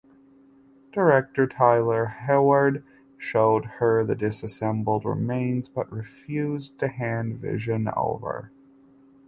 Director Tyler Hayward showed her the disassembled remains but refused to hand Vision over.